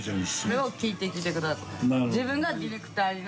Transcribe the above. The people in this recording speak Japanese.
それを聞いてきてください。